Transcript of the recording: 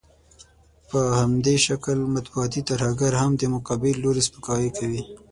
په همدې شکل مطبوعاتي ترهګر هم د مقابل لوري سپکاوی کوي.